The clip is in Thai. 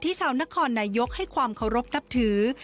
ชาวนครนายกให้ความเคารพนับถือ